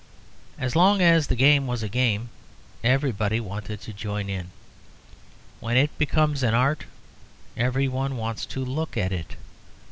As long as the game was a game, everybody wanted to join in it. When it becomes an art, every one wants to look at it.